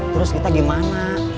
terus kita gimana